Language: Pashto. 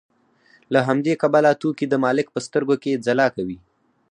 له همدې کبله توکي د مالک په سترګو کې ځلا کوي